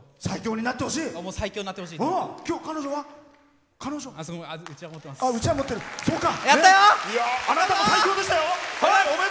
最強になってほしいと。